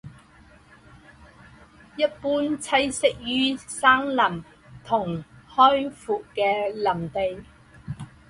一般栖息于山林和开阔的林地。